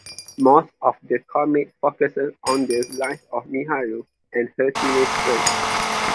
Most of the comic focuses on the life of Miharu and her teenage friends.